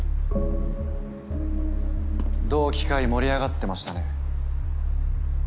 ・同期会盛り上がってましたね。